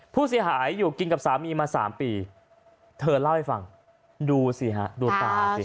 ผู้เสียหายอยู่กินกับสามีมาสามปีเธอเล่าให้ฟังดูสิฮะดูตาสิ